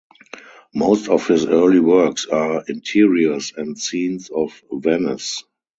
Most of his early works are interiors and scenes of Venice.